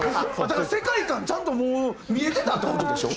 だから世界観ちゃんともう見えてたって事でしょ？